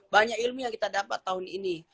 banyak ilmu yang kita dapat tahun ini